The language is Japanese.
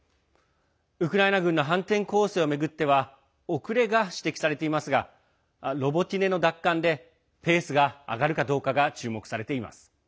ウクライナ軍の反転攻勢を巡っては遅れが指摘されていますがロボティネの奪還でペースが上がるかどうかが注目されています。